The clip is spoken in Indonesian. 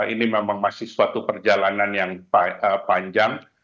ini memang masih suatu perjalanan yang panjang